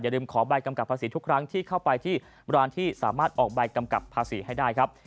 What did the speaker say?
ลืมขอใบกำกับภาษีทุกครั้งที่เข้าไปที่ร้านที่สามารถออกใบกำกับภาษีให้ได้ครับ